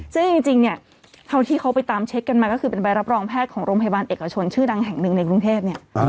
จึงจริงเมื่อเขาไปตามเช็คกันมาก็เป็นใบรับรองแพทย์ของโรงพยาบาลเอกชนชื่อดังแห่งหนึ่งในกรุงเทพ